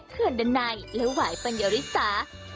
เคลื่อนดันในแล้วหวายปัญญาศาสดี